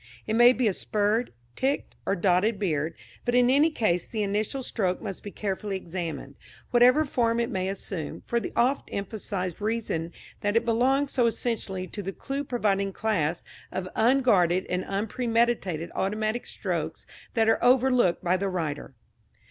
It may be a spurred, ticked or dotted beard, but in any case the initial stroke must be carefully examined, whatever form it may assume, for the oft emphasized reason that it belongs so essentially to the clue providing class of unguarded and unpremeditated automatic strokes that are overlooked by the writer.